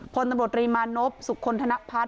พนตมรดริมานพสุคคลธนาภาพ